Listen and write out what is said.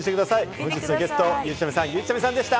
本日のゲスト、ゆうちゃみさん、ゆいちゃみさんでした。